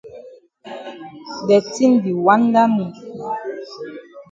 De tin di wanda me.